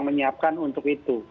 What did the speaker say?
menyiapkan untuk itu